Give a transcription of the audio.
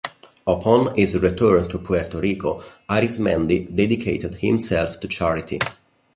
Upon his return to Puerto Rico, Arizmendi dedicated himself to charity.